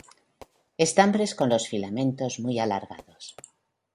Estambres con los filamentos muy alargados.